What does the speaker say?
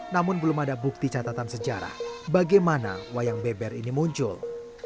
namun belum ada bukti catatan sejarah bagaimana wayang beber ini muncul